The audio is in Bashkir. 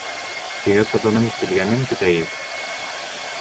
Теге ҡыҙының килгәнен көтәйек.